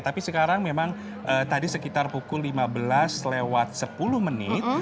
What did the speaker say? tapi sekarang memang tadi sekitar pukul lima belas lewat sepuluh menit